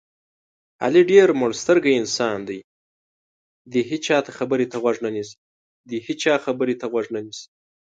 علي ډېر مړسترګی انسان دی دې هېچا خبرې ته غوږ نه نیسي.